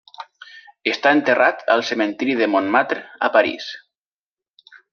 Està enterrat al cementiri de Montmartre a París.